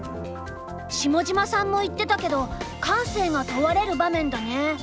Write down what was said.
下島さんも言ってたけど感性が問われる場面だね。